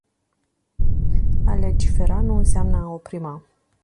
A legifera nu înseamnă a oprima.